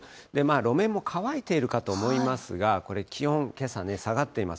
路面も乾いているかと思いますが、これ、気温、けさ下がっています。